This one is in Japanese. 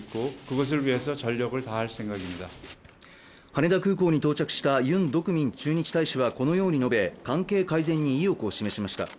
羽田空港に到着したユン・ドクミン駐日大使はこのように述べ、関係改善に意欲を示しました。